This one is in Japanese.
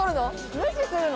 無視するの？